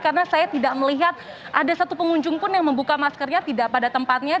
karena saya tidak melihat ada satu pengunjung pun yang membuka maskernya tidak pada tempatnya